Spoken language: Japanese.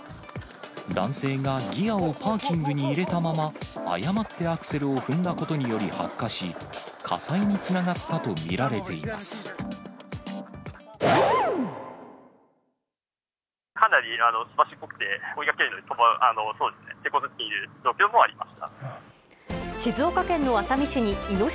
男性がギアをパーキングに入れたまま、誤ってアクセルを踏んだことによって発火し、火災につながったと見られています。